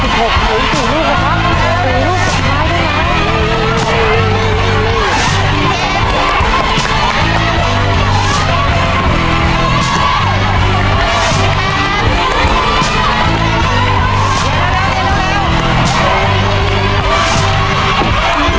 ทุกคนเห็นตัวนี้เหรอครับมีรูปสุดท้ายด้วยนะครับ